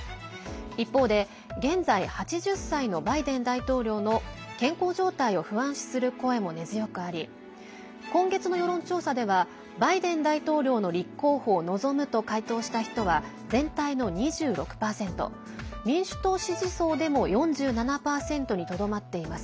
一方で、現在８０歳のバイデン大統領の健康状態を不安視する声も根強くあり今月の世論調査ではバイデン大統領の立候補を望むと回答した人は全体の２６％民主党支持層でも４７％にとどまっています。